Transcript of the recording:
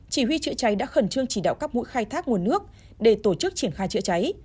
chỉ huy chữa cháy đã khẩn trương chỉ đạo các mũi khai thác nguồn nước để tổ chức triển khai chữa cháy